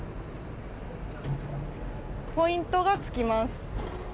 ポイントがつきます。